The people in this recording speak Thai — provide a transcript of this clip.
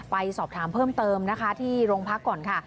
ไปสอบถามเพิ่มเติมนะคะที่โรงพักก่อนค่ะ